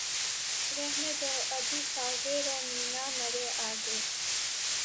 رہنے دو ابھی ساغر و مینا مرے آگے